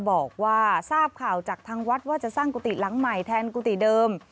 บอกว่าทราบข่าวจากทางวัดว่าจะสร้างกุฏิหลังใหม่แทนกุฏิเดิม